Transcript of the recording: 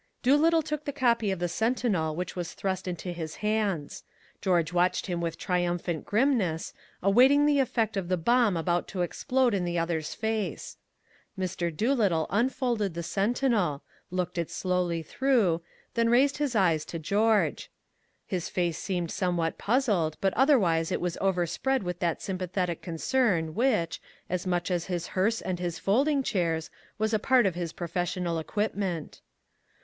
Doolittle took the copy of the Sentinel which was thrust into his hands. George watched him with triumphant grimness, awaiting the effect of the bomb about to explode in the other's face. Mr. Doolittle unfolded the Sentinel looked it slowly through then raised his eyes to George. His face seemed somewhat puzzled, but otherwise it was overspread with that sympathetic concern which, as much as his hearse and his folding chairs, was a part of his professional equipment.